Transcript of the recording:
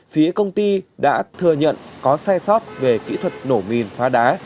phía công ty đã thừa nhận có sai sót về kỹ thuật nổ mìn phá đá